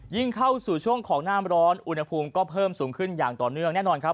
เข้าสู่ช่วงของน้ำร้อนอุณหภูมิก็เพิ่มสูงขึ้นอย่างต่อเนื่องแน่นอนครับ